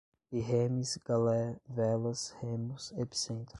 birremes, galé, velas, remos, epicentro